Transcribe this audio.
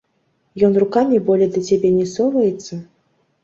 Ён рукамі болей да цябе не соваецца?